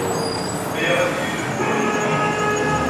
Aya ad yili d ufur-nteɣ.